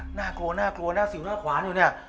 น่ากลัวน่ากลัวหน้าสิวหน้าขวานอยู่เนี่ย